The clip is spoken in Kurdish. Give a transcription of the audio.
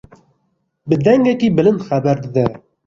Bi dengekî bilind xeber dide.